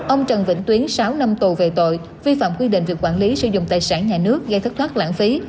ông trần vĩnh tuyến sáu năm tù về tội vi phạm quy định về quản lý sử dụng tài sản nhà nước gây thất thoát lãng phí